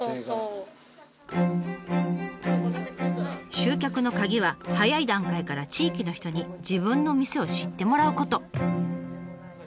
集客の鍵は早い段階から地域の人に自分の店を知ってもらうこと。